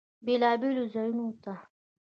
بیلابیلو ځایونو ته